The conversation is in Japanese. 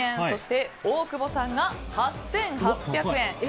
そして、大久保さんが８８００円。